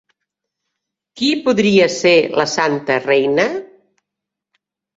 Qui podria ser la santa reina?